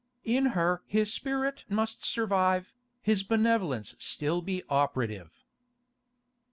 In her his spirit must survive, his benevolence still be operative.